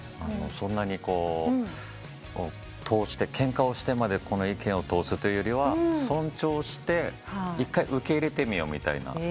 そんなにケンカをしてまでこの意見を通すというよりは尊重して１回受け入れてみようみたいな。